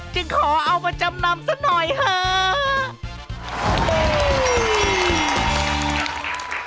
จึงขอเอามาจำนำซะหน่อยเถอะ